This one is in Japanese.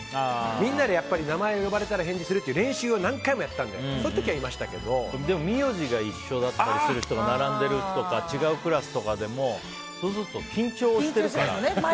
みんなでやっぱり名前を呼ばれたら返事をするという練習を何回もやってたのででも、名字が一緒だったりする人が並んでるとか違うクラスでもそうすると緊張しちゃうから。